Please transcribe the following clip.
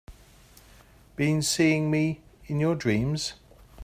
Been seeing me in your dreams?